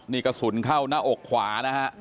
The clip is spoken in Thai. นี่กระสุนเข้าหน้าอกขวานะฮะ